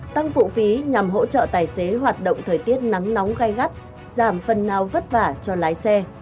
tăng phụ phí nhằm hỗ trợ tài xế hoạt động thời tiết nắng nóng gai gắt giảm phần nào vất vả cho lái xe